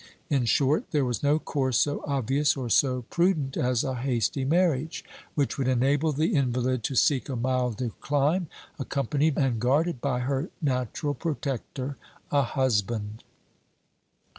In short, there was no course so obvious or so prudent as a hasty marriage, which would enable the invalid to seek a milder clime, accompanied and guarded by her natural protector a husband.